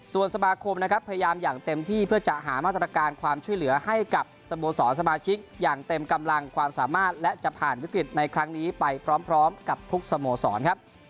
ส่วนสมาคมนะครับพยายามอย่างเต็มที่เพื่อจะหามาตรการความช่วยเหลือให้กับสโมสรสมาชิกอย่างเต็มกำลังความสามารถและจะผ่านวิกฤตในครั้งนี้ไปพร้อมกับทุกสโมสรครับ